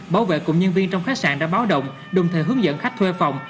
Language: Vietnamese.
bảo vệ cùng nhân viên trong khách sạn đã báo động đồng thời hướng dẫn khách thuê phòng